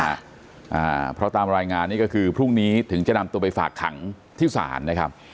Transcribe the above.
อ่าเพราะตามรายงานนี่ก็คือพรุ่งนี้ถึงจะนำตัวไปฝากขังที่ศาลนะครับ